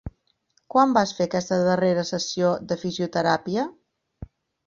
Quan vas fer aquesta darrera sessió de fisioteràpia?